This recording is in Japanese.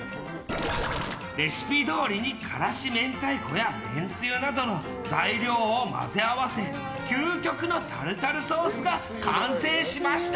レシピどおりに辛子明太子やめんつゆなどの材料を混ぜ合わせ究極のタルタルソースが完成しました。